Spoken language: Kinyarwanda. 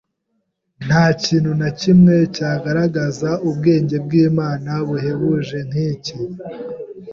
Nta kintu na kimwe cyagaragaza ubwenge bw’Imana buhebuje nk’iki